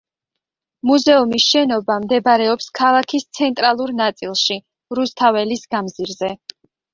მუზეუმის შენობა მდებარეობს ქალაქის ცენტრალურ ნაწილში, რუსთაველის გამზირზე.